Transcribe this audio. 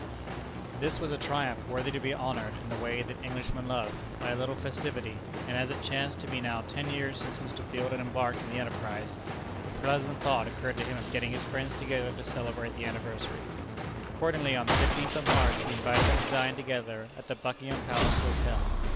This was a triumph worthy to be honored in the way that Englishmen love, by a little festivity; and as it chanced to be now ten years since Mr. Field had embarked in the enterprise, the pleasant thought occurred to him of getting his friends together to celebrate the anniversary. Accordingly, on the fifteenth of March, he invited them to dine together at the Buckingham Palace Hotel.